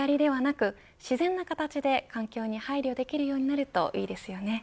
無理やりではなく、自然な形で環境に配慮できるようになるといいですよね。